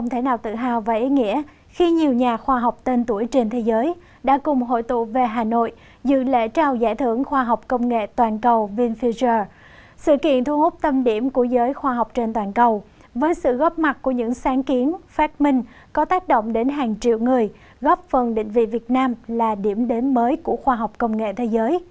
hãy đăng ký kênh để ủng hộ kênh của chúng mình nhé